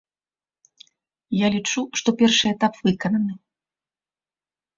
Я лічу, што першы этап выкананы.